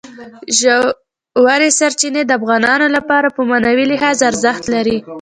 ژورې سرچینې د افغانانو لپاره په معنوي لحاظ ارزښت لري.